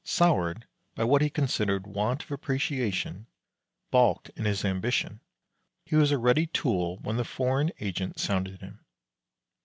Soured by what he considered want of appreciation, balked in his ambition, he was a ready tool when the foreign agent sounded him.